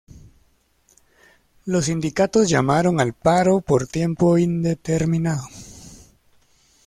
Los sindicatos llamaron al paro por tiempo indeterminado.